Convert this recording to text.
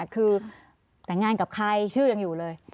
คือแต่งงานกับใครชื่อยังอยู่เลย